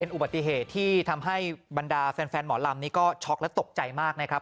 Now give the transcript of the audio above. อุบัติเหตุที่ทำให้บรรดาแฟนหมอลำนี้ก็ช็อกและตกใจมากนะครับ